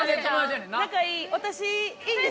仲いい。